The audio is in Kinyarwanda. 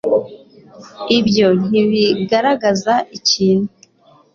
ibyo ntibigaragaza ikintu